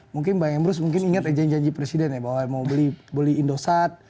mungkin bang embrus ingat ya janji janji presiden ya bahwa mau beli indosat